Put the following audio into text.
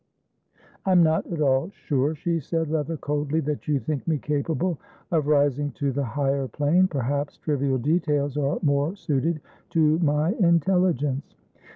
"I'm not at all sure," she said, rather coldly, "that you think me capable of rising to the higher plane. Perhaps trivial details are more suited to my intelligence."